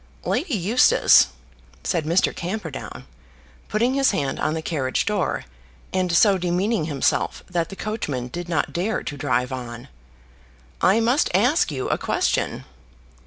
"Lady Eustace," said Mr. Camperdown, putting his hand on the carriage door, and so demeaning himself that the coachman did not dare to drive on, "I must ask you a question."